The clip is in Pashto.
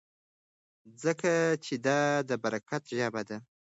ځکه چې دا د برکت ژبه ده.